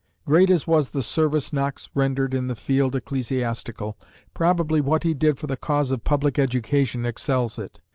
Great as was the service Knox rendered in the field ecclesiastical, probably what he did for the cause of public education excels it.